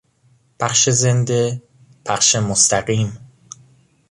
پخش زنده، پخش مستقیم